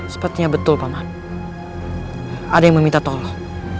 sepertinya betul paman ada yang meminta tolong